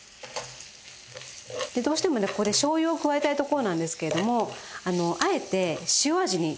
どうしてもねここで醤油を加えたいところなんですけれどもあえて塩味にとどめます。